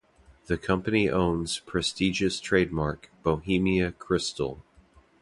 The company own prestigious trademark Bohemia Crystal.